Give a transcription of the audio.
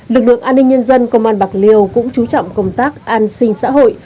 lực lượng an ninh nhân dân công an bạc liêu cũng chú trọng công tác an sinh xã hội